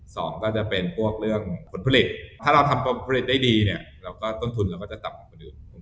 สองก็จะเป็นพวกเรื่องผลผลิตถ้าเราทำผลผลิตได้ดีเนี่ยเราก็ต้นทุนเราก็จะต่ำกว่าเดิม